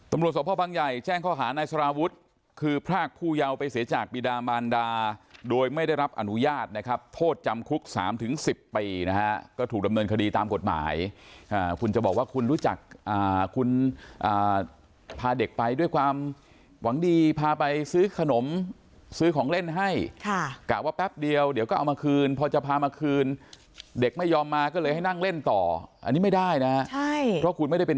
ตำรวจสวพบังใหญ่แจ้งข้ออาหารในสลาวุฒิคือพรากผู้เยาไปเสียจากปีดาบานดาโดยไม่ได้รับอนุญาตนะครับโทษจำคุก๓๑๐ปีนะฮะก็ถูกดำเนินคดีตามกฎหมายคุณจะบอกว่าคุณรู้จักคุณพาเด็กไปด้วยความหวังดีพาไปซื้อขนมซื้อของเล่นให้กะว่าแป๊บเดียวเดี๋ยวก็เอามาคืนพอจะพามาคืนเด็กไม่ยอมมาก